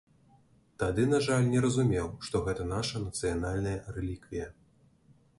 Тады, на жаль, не разумеў, што гэта наша нацыянальная рэліквія.